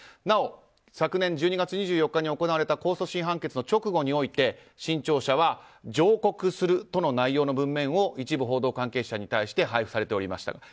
なお昨年１２月２４日に行われた控訴審判決の直後において新潮社は上告するとの内容の文面を一部報道関係者に対して配布されておりました。